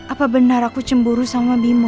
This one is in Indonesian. apa benar aku cemburu sama bimo